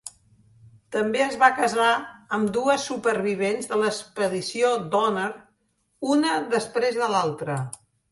També es va casar amb dues supervivents de l'expedició Donner, una després de l'altra.